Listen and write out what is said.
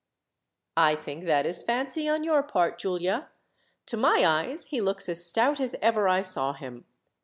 "I think that is fancy on your part, Giulia. To my eyes he looks as stout as ever I saw him.